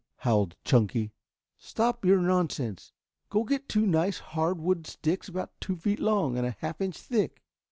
howled Chunky. "Stop your nonsense. Go get two nice hard wood sticks about two feet long, and a half inch thick.